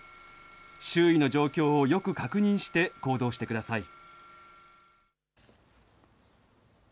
周囲の状況をよく確認して行動してください。